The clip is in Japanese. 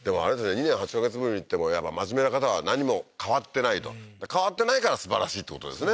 ２年８か月ぶりに行っても真面目な方は何も変わってないと変わってないからすばらしいってことですね